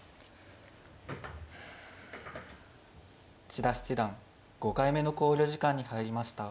千田七段５回目の考慮時間に入りました。